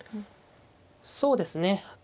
そうですね